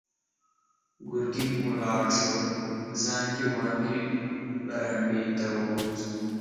ګرګين ولاړ شو، زانګې وانګې برنډې ته ووت.